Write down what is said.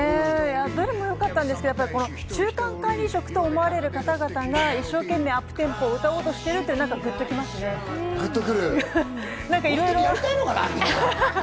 どれもよかったんですが、中間管理職と思われる方々が一生懸命アップテンポを歌おうとしているというところにグッとく